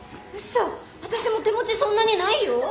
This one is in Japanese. うそ私も手持ちそんなにないよ？